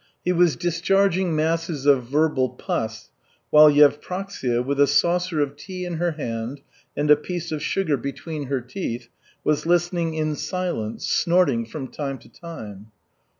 He was discharging masses of verbal pus, while Yevpraksia, with a saucer of tea in her hand and a piece of sugar between her teeth, was listening in silence, snorting from time to time.